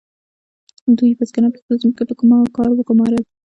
دوی بزګران په خپلو ځمکو کې په کار وګمارل.